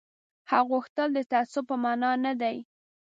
حق غوښتل د تعصب په مانا نه دي